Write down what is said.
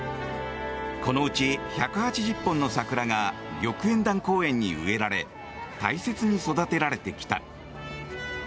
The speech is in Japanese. このうち１８０本の桜が玉淵潭公園に植えられ大切に育てられてきた。